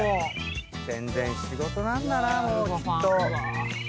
全然仕事なんだなもうきっと。